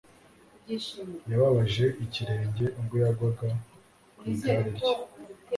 yababaje ikirenge ubwo yagwaga ku igare rye